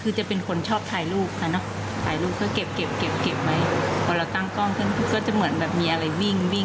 เขาก็อยากได้มั่งอะไรอย่างนี้บอกขายให้เขามั่งอย่างนี้ออกของเอาไปถ่ายอย่างนี้